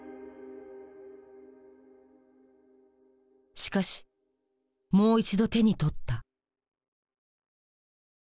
しかしもう一度手に取った。